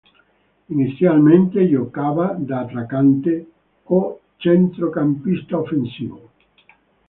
Inizialmente giocava da attaccante o centrocampista offensivo.